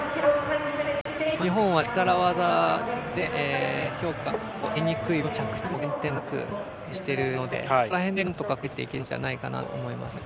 日本は力技で評価を得にくい分着地で減点なく実施しているのでそこら辺で、なんとか食らいついていけるのではないかなと思いますね。